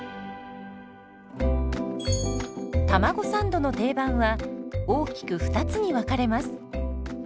たまごサンドの定番は大きく２つに分かれます。